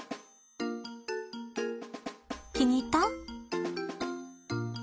気に入った？